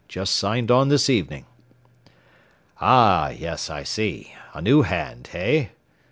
Just signed on this evening." "Ah, yes, I see. A new hand, hey?